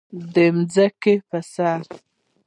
د ځمکې پر سر